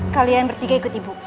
kalian bertiga ikut ibu